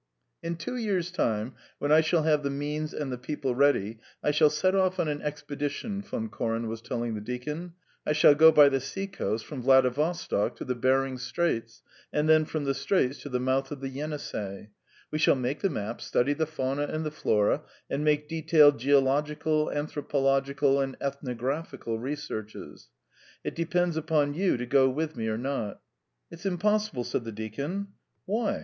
"In two years' time, when I shall have the means and the people ready, I shall set off on an expedition," Von Koren was telling the deacon. "I shall go by the sea coast from Vladivostok to the Behring Straits, and then from the Straits to the mouth of the Yenisei. We shall make the map, study the fauna and the flora, and make detailed geological, anthropological, and ethnographical researches. It depends upon you to go with me or not." "It's impossible," said the deacon. "Why?"